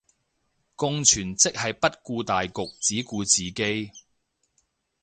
共存即係不顧大局只顧自己